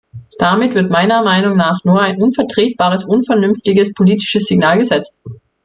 Damit wird meiner Meinung nach nur ein unvertretbares, unvernünftiges politisches Signal gesetzt.